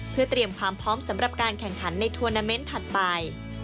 เพื่อเตรียมความพร้อมสำหรับการแข่งขันในทวนาเมนต์ถัดไป